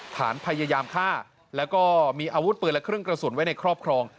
ฐานพยายามฆ่าแล้วก็มีอาวุธปืนและเครื่องกระสุนไว้ในครอบครอง